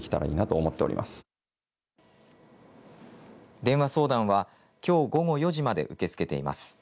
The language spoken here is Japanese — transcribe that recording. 電話相談は、きょう午後４時まで受け付けています。